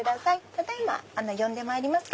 ただ今呼んでまいります。